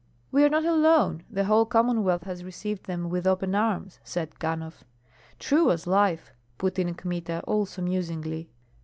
"We are not alone; the whole Commonwealth has received them with open arms," said Ganhoff. "True as life," put in Kmita, also musingly.